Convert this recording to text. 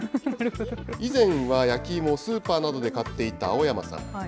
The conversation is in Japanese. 以前は焼き芋をスーパーなどで買っていた青山さん。